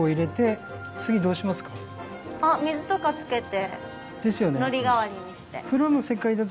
水とかつけて糊代わりにして。